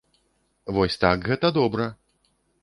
Вось так гэта добра!